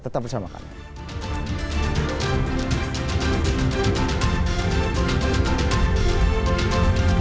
tetap bersama kami